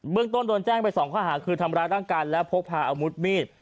เรื่องต้นโดนแจ้งไปสองข้อหาคือทำร้ายร่างกายและพกพาอาวุธมีด